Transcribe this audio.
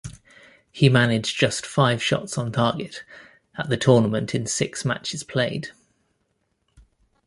He managed just five shots on target at the tournament in six matches played.